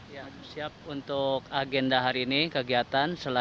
ya siap untuk agenda hari ini kegiatan